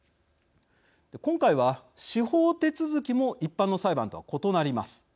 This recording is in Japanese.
今回は、司法手続きも一般の裁判とは異なります。